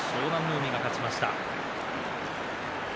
海が勝ちました。